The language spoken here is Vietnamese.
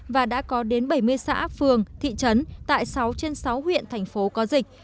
và đã có đến bảy mươi xã phường thị trấn tại sáu trên sáu huyện thành phố có dịch